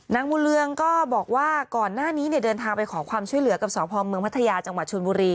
นางบุญเรืองก็บอกว่าก่อนหน้านี้เดินทางไปขอความช่วยเหลือกับสพเมืองพัทยาจังหวัดชนบุรี